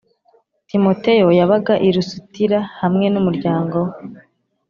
Timoteyo yabaga i Lusitira hamwe n umuryango we